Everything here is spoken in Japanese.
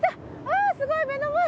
わあすごい目の前！